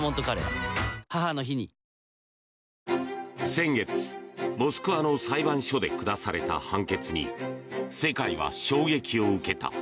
先月、モスクワの裁判所で下された判決に世界は衝撃を受けた。